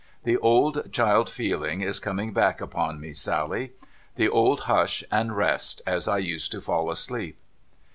The old child feeling is coming back upon me, Sally. The old hush and rest, as I used to fall asleep.'